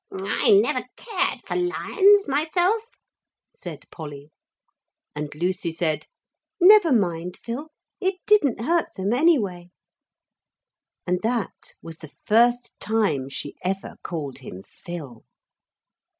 'I never cared for lions myself,' said Polly; and Lucy said, 'Never mind, Phil. It didn't hurt them anyway.' And that was the first time she ever called him Phil.